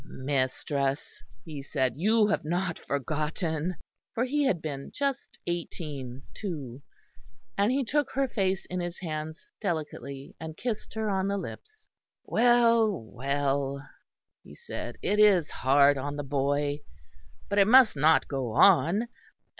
"Mistress," he said, "you have not forgotten." For he had been just eighteen, too. And he took her face in his hands delicately, and kissed her on the lips. "Well, well," he said, "it is hard on the boy; but it must not go on.